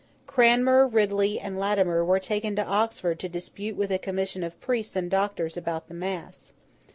Cranmer, Ridley, and Latimer, were taken to Oxford to dispute with a commission of priests and doctors about the mass.